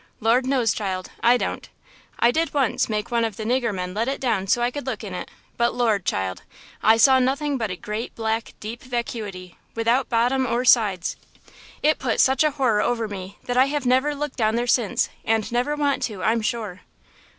"Lord knows, child; I don't. I did once make one of the nigger men let it down so I could look in it; but, Lord, child, I saw nothing but a great, black, deep vacuity, without bottom or sides. It put such a horror over me that I have never looked down there since, and never want to, I'm sure."